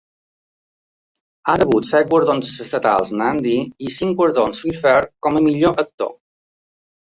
Ha rebut set guardons estatals Nandi i cinc guardons Filmfare com a millor actor.